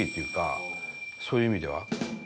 そういう意味では。